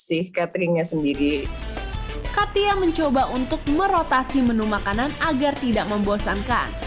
sih cateringnya sendiri katia mencoba untuk merotasi menu makanan agar tidak membosankan